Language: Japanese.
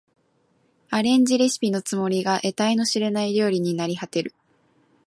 アレンジレシピのつもりが得体の知れない料理になりはてる